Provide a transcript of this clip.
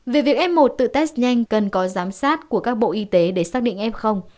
về việc f một tự test nhanh cần có giám sát của các bộ y tế để xác định f